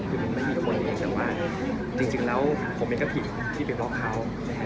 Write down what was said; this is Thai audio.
คือมันไม่มีคนเองแต่ว่าจริงแล้วผมเองก็ผิดที่ไปบอกเขา